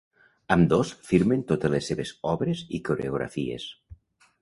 Ambdós firmen totes les seves obres i coreografies.